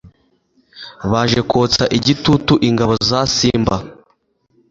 baje kotsa igitutu ingabo za Simba,